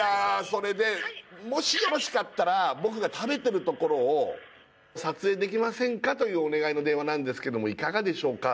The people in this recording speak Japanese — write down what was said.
それでもしよろしかったら僕が食べてるところを撮影できませんか？というお願いの電話なんですけどもいかがでしょうか？